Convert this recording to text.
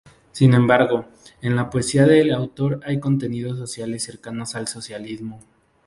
Sin embargo, en la poesía del autor hay contenidos sociales cercanos al socialismo.